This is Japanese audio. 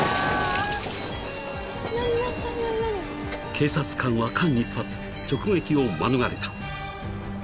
［警察官は間一髪直撃を免れた］